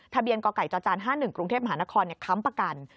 ทะเบียนก่อก่ายจอจาน๕๑กรุงเทพฯมหานครเนี่ยค้ำประกัน